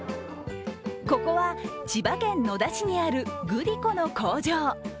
ここは千葉県野田市にあるグリコの工場。